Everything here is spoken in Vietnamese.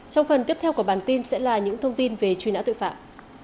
trong phần tiếp theo của bản tin sẽ là những thông tin về truy nã tội phạm